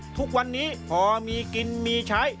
ทุกวันนี้พอมีกินมีใช้